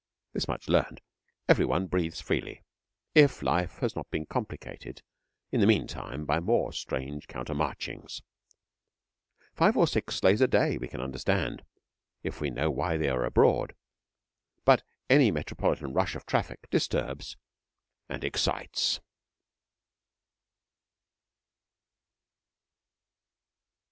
This much learned, everybody breathes freely, if life has not been complicated in the meantime by more strange counter marchings. Five or six sleighs a day we can understand, if we know why they are abroad; but any metropolitan rush of traffic disturbs and excites.